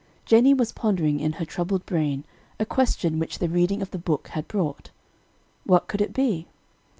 Jennie was pondering in her troubled brain a question which the reading of the book had brought. What could it be?